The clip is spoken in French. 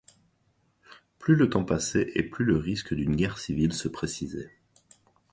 Plus le temps passait et plus le risque d'une guerre civile se précisait.